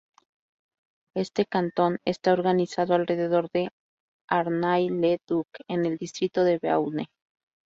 Este cantón está organizado alrededor de Arnay-le-Duc en el distrito de Beaune.